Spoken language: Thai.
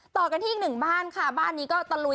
ต่อกันที่อีกหนึ่งบ้านค่ะบ้านนี้ก็ตะลุย